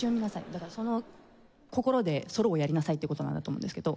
だからその心でソロをやりなさいっていう事なんだと思うんですけど。